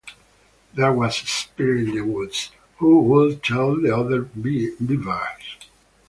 There was a spirit in the woods who would tell the other beavers.